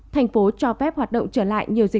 thành phố cho phép hoạt động trở lại nhiều dịp